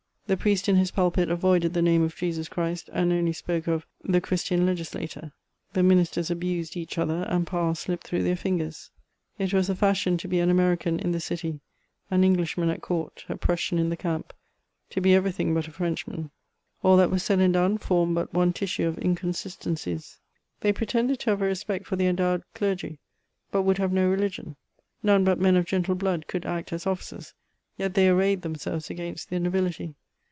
The priest in his pulpit avoided the name of Jesus Christ, and only spoke of '* the Christian Legislator " the ministers abused each other, and power slipped through their fingers. It was the fashion to be an American in the city, an English man at court, a Prussian in the camp ; to be every thing but a Frenchman. All that was said and done formed but one tissue of inconsistencies. They pretended to have a respect for the fendowed clergy, but would have no religion : none^but men of gentle blood could act as officers, yet they arrayed themselves against the nobility.